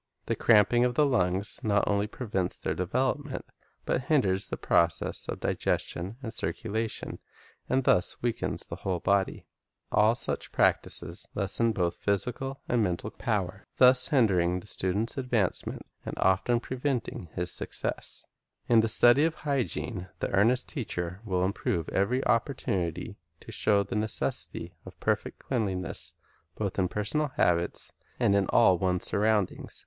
The cramping of the lungs not only prevents their development, but hinders the processes of digestion and circulation, and thus weakens the whole body. All such practises lessen both physical and mental Training of the Voice Healthful Dress 200 Physical Culture power, thus hindering the student's advancement, and often preventing his success. In the study of hygiene the earnest teacher will improve every opportunity to show the necessity of perfect cleanliness both in personal habits and in all one's surroundings.